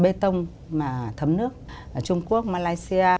bê tông mà thấm nước ở trung quốc malaysia